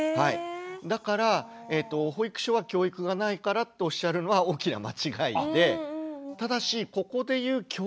だから保育所は教育がないからっておっしゃるのは大きな間違いで。